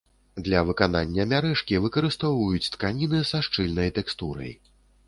Для выканання мярэжкі выкарыстоўваюць тканіны са шчыльнай тэкстурай.